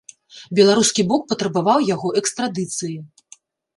Беларускі бок патрабаваў яго экстрадыцыі.